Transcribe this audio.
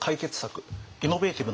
イノベーティブ